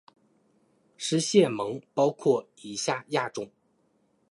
食蟹獴包括以下亚种